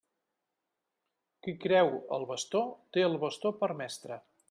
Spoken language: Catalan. Qui creu el bastó, té el bastó per mestre.